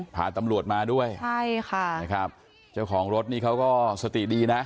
พาตำรวจมาด้วยใช่ค่ะนะครับเจ้าของรถนี่เขาก็สติดีนะ